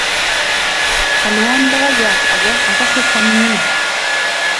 Alwon logoyat ake akose kwanyinyen.